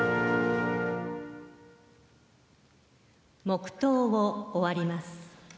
黙とうを終わります。